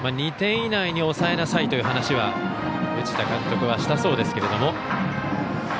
２点以内に抑えなさいという話を藤田監督はしたそうですけども。